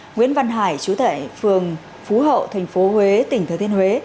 nguyễn văn hải chú thể phường phú hậu tp huế tỉnh thừa thiên huế